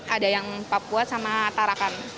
ada yang papua sama tarakan